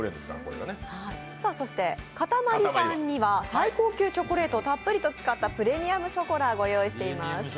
かたまりさんには最高級チョコレートをたっぷり使ったプレミアムショコラをご用意しています。